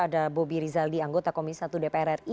ada bobi rizaldi anggota komisi satu dpr ri